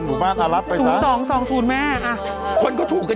น้ำแดงอะไรเยอะ